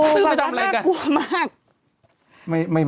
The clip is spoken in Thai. ซื้อไปทำอะไรกันโอ้ประกาศกลัวมากซื้อไปทำอะไรกัน